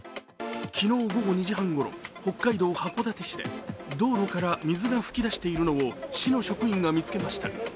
昨日午後２時半ごろ、北海道函館市で道路から水が噴き出しているのを市の職員が見つけました。